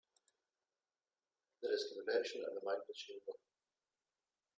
There is convection in the magma chamber.